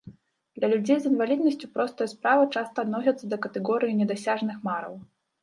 Для людзей з інваліднасцю простыя справы часта адносяцца да катэгорыі недасяжных мараў.